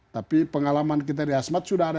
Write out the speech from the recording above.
tapi pengalaman kita di asmat sudah ada